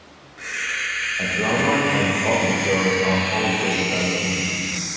A drummer and officer are also present.